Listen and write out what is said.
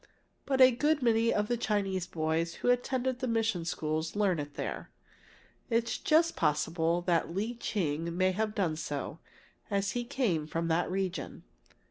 But a good many of the Chinese boys who attend the mission schools learn it there. It's just possible that Lee Ching may have done so, as he came from that region.